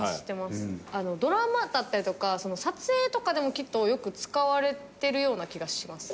ドラマだったりとか撮影とかでもきっとよく使われてるような気がします。